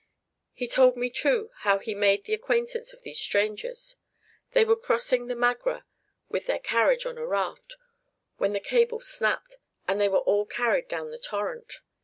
He told me, too, how he made the acquaintance of these strangers. They were crossing the Magra with their carriage on a raft, when the cable snapped, and they were all carried down the torrent.